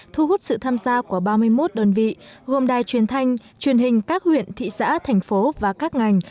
thu hút sự tham gia của ba mươi một đơn vị gồm đài truyền thanh truyền hình các huyện thị xã thành phố và các ngành